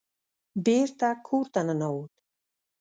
بېرته کور ته ننوت.